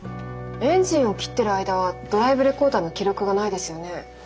エンジンを切ってる間はドライブレコーダーの記録がないですよね。